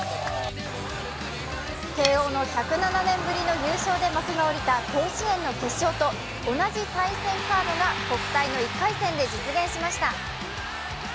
慶応の１０７年ぶりの優勝で幕が下りた甲子園の決勝と同じ対戦カードが国体の１回戦で実現しました。